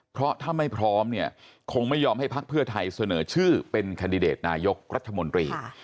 เพราะถ้าไม่พร้อมเนี่ยคงไม่ยอมให้พักเพื่อไทยเสนอชื่อเป็นแคนดิเดตนายกรัฐมนตรี